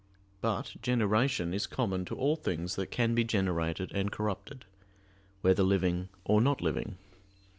But generation is common to all things that can be generated and corrupted, whether living or not living.